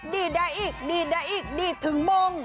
ดีดได้อีกดีดได้อีกดีดถึงมง